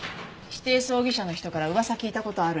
指定葬儀社の人から噂聞いた事ある。